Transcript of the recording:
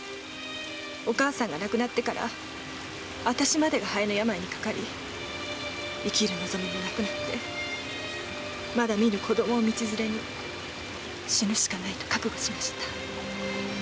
お義母さんが亡くなってからあたしまでが肺の病にかかり生きる望みもなくなってまだ見ぬ子供を道連れに死ぬしかないと覚悟しました。